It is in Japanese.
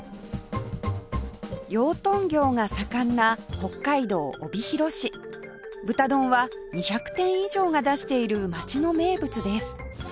養豚業が盛んな豚丼は２００店以上が出している街の名物です